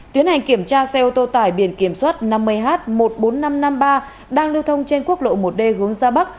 tiến hành kiểm tra xe ô tô tải biển kiểm soát năm mươi h một mươi bốn nghìn năm trăm năm mươi ba đang lưu thông trên quốc lộ một d hướng ra bắc